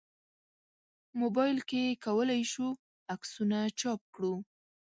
موبایل کې کولای شو عکسونه چاپ کړو.